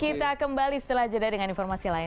kita kembali setelah jeda dengan informasi lain